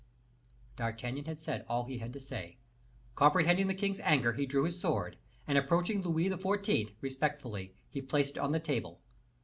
D'Artagnan had said all he had to say. Comprehending the king's anger, he drew his sword, and, approaching Louis XIV. respectfully, he placed it on the table.